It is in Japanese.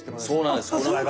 そうなんです。